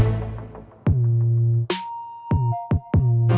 gak usah gak apa apa kok